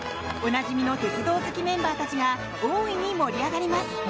おなじみの鉄道好きメンバーたちが大いに盛り上がります。